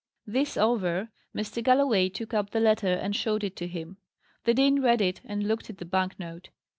This over, Mr. Galloway took up the letter and showed it to him. The dean read it, and looked at the bank note.